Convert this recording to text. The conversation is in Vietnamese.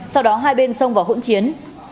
sau đó hai bên xông vào hỗn chiến